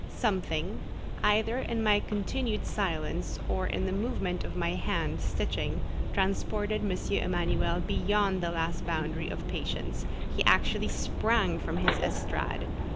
Something—either in my continued silence or in the movement of my hand, stitching—transported M. Emanuel beyond the last boundary of patience; he actually sprang from his estrade.